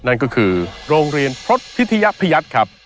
นั่นก็คือโรงเรียนพรทธิธิพยัทธ์ครับ